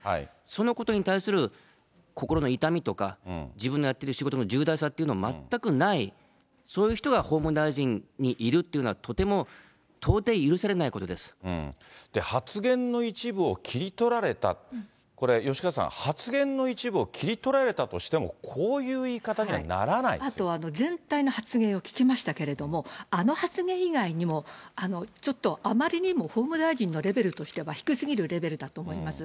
そのことに対する心の痛みとか、自分のやっている仕事の重大さというのが全くない、そういう人が法務大臣にいるっていうのは、とても到底許されない発言の一部を切り取られた、これ吉川さん、発言の一部を切り取られたとしても、こういう言いあと全体の発言を聞きましたけれども、あの発言以外にも、ちょっとあまりにも法務大臣のレベルとしては低すぎるレベルだと思います。